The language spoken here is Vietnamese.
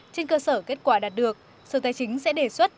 trên cơ sở kết quả đạt được sở tài chính sẽ đề xuất